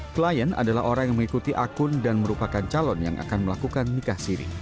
klien adalah orang yang mengikuti akun dan merupakan calon yang akan melakukan nikah siri